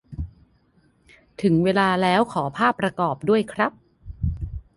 ถึงเวลาแล้วขอภาพประกอบด้วยครับ